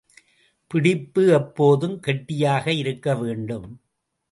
பிடிப்பு எப்போதும் கெட்டியாக இருக்க வேண்டும்.